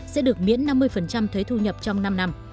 sẽ được miễn năm mươi thuế thu nhập trong năm năm